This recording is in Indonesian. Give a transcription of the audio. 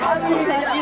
pagi pak tarno